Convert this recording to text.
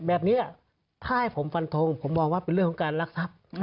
แบบนี้ถ้าให้ผมฟันทงผมมองว่าเป็นเรื่องของการรักทรัพย์